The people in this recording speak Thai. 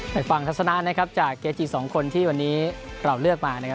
ไปฟังทัศนะนะครับจากเกจิสองคนที่วันนี้เราเลือกมานะครับ